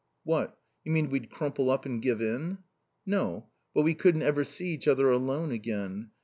"What? You mean we'd crumple up and give in?" "No. But we couldn't ever see each other alone again.